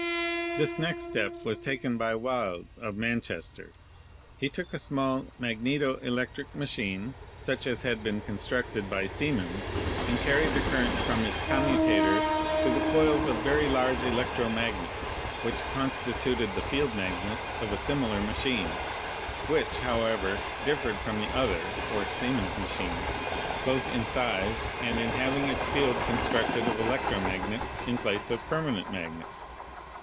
This next step was taken by Wilde, of Manchester. He took a small magneto electric machine, such as had been constructed by Siemens, and carried the current from its commutator to the coils of very large electro magnets, which constituted the field magnets of a similar machine, which, however, differed from the other, or Siemens ma chine, both in size and in having its field constructed of electro magnets in place of permanent magnets.